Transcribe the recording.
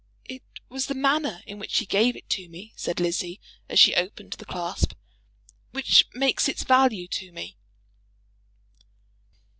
"It was the manner in which he gave it to me," said Lizzie, as she opened the clasp, "which makes its value to me."